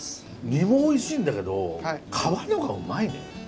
身もおいしいんだけど皮のがうまいね。